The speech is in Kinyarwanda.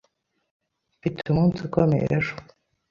Mfite umunsi ukomeye ejo.